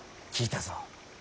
聞いたぞ。